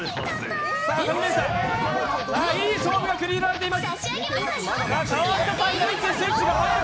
いい勝負が繰り広げられています。